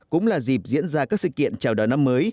cũng là dịp diễn ra các sự kiện chào đón năm mới